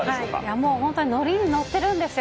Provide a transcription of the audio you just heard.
もう本当に乗りに乗ってるんですよ。